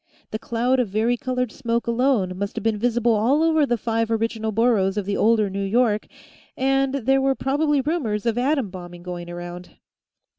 The cloud of varicolored smoke alone must have been visible all over the five original boroughs of the older New York, and there were probably rumors of atom bombing going around.